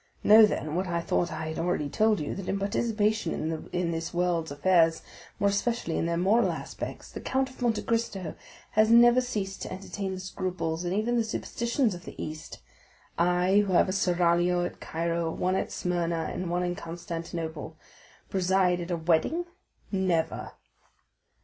Know, then, what I thought I had already told you, that in participation in this world's affairs, more especially in their moral aspects, the Count of Monte Cristo has never ceased to entertain the scruples and even the superstitions of the East. I, who have a seraglio at Cairo, one at Smyrna, and one at Constantinople, preside at a wedding?—never!"